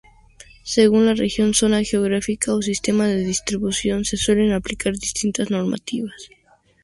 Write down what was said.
Según la región, zona geográfica o sistema de distribución, se suelen aplicar distintas normativas.